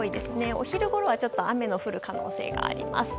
お昼ごろは雨の降る可能性があります。